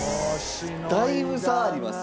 だいぶ差あります。